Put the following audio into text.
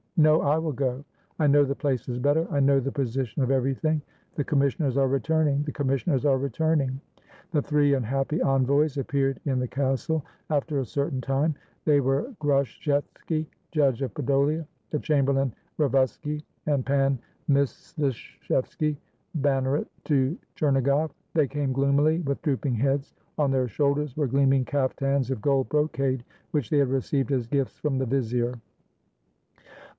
"No, I will go! I know the places better; I know the position of everything." "The commissioners are returning! The commission ers are returning!" The three unhappy envoys appeared in the castle after a certain time. They were Grushetski, judge of Podolia, the chamberlain Revuski, and Pan Myslishevski, ban neret of Chernigoff. They came gloomily, with drooping heads; on their shoulders were gleaming caftans of gold brocade, which they had received as gifts from the vizier.